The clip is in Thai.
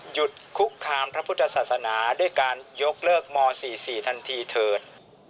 หยุดคุกคามพระพุทธศาสนาด้วยการยกเลิกม๔๔ทันทีเถิด